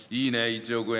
１億円